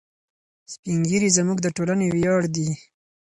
سپین ږیري زموږ د ټولنې ویاړ دي.